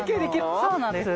そうなんですよ。